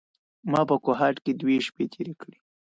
ما په کوهاټ کې دوې شپې تېرې کړې.